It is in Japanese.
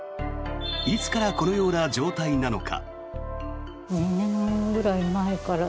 いつからこのような状態なのか。